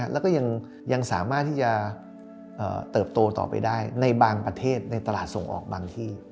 แล้วก็ยังสามารถที่จะเติบโตต่อไปได้ในบางประเทศในตลาดส่งออกบางที่